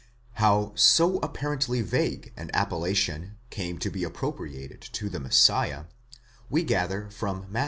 How so apparently vague an appellation came to be appropriated to the Messiah, we gather from Matt.